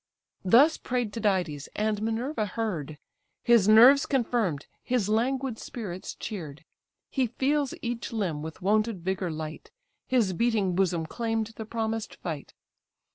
Thus pray'd Tydides, and Minerva heard, His nerves confirm'd, his languid spirits cheer'd; He feels each limb with wonted vigour light; His beating bosom claim'd the promised fight.